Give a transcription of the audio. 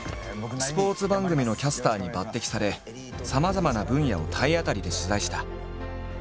スポーツ番組のキャスターに抜てきされさまざまな分野を体当たりで取材した。